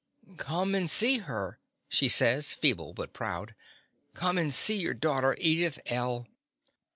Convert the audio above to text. "Come and see her," she says, feeble but proud. "Come and see your daughter, Edith L."